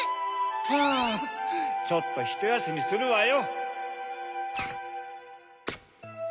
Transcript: ハァちょっとひとやすみするわよ。